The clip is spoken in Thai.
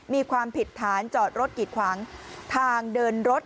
มีความผิดฐานจอดรถกิดขวางทางเดินรถ